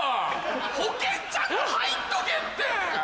保険ちゃんと入っとけって！